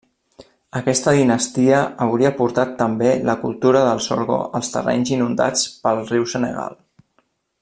Aquesta dinastia hauria portat també la cultura del sorgo als terrenys inundats pel riu Senegal.